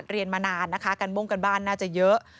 เรียนมานานกัดมุ่งกัดบ้านน่าจะเยอะ